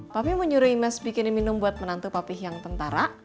papih mau nyuruh imas bikin minum buat menantu papih yang tentara